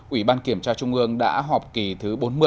ủy ban kiểm tra trung ương đã họp kỳ thứ bốn mươi